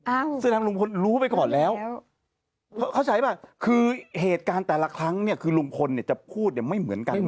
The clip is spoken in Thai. แสดงลุงพลรู้ไปก่อนแล้วเข้าใจป่ะคือเหตุการณ์แต่ละครั้งเนี่ยคือลุงพลเนี่ยจะพูดเนี่ยไม่เหมือนกัน